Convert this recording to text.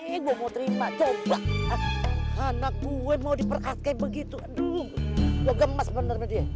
nih gua mau terima coba anak gue mau diperkas kayak begitu dulu gue gemes bener bener dia